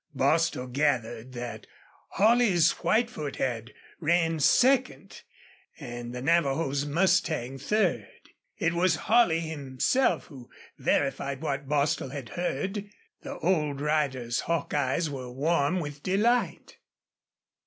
Bostil gathered that Holley's Whitefoot had ran second, and the Navajo's mustang third. It was Holley himself who verified what Bostil had heard. The old rider's hawk eyes were warm with delight.